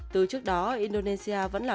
từ trước đó indonesia vẫn là